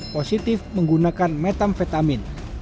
positif menggunakan metamfetamin